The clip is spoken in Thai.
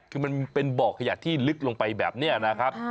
คือมันเป็นบ่อขยะที่ลึกลงไปแบบนี้นะครับ